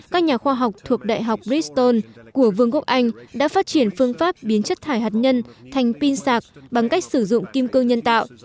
các nhà khoa học thuộc đại học briston của vương quốc anh đã phát triển phương pháp biến chất thải hạt nhân thành pin sạc bằng cách sử dụng kim cương nhân tạo